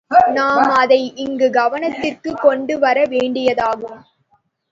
நாம் அதை இங்குக் கவனத்திற்குக் கொண்டுவர வேண்டியதாகும்.